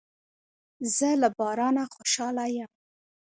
زه له بارانه خوشاله یم.